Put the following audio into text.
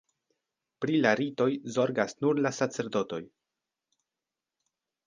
Pri la ritoj zorgas nur la sacerdotoj.